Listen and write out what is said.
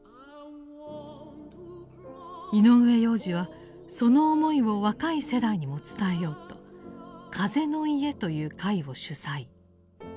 井上洋治はその思いを若い世代にも伝えようと「風の家」という会を主宰。